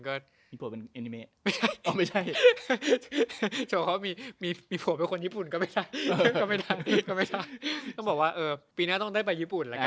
เขางนักของวิทยาลัย